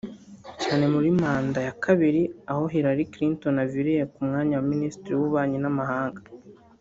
cyane muri manda ya kabiri aho Hillary Clinton aviriye ku mwanya wa minisitiri w’ububanyi n’amahanga